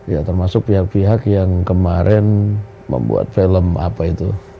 ya termasuk pihak pihak yang kemarin membuat film apa itu